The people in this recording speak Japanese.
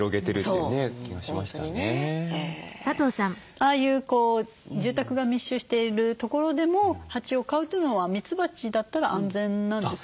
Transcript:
ああいう住宅が密集している所でも蜂を飼うというのはミツバチだったら安全なんですかね？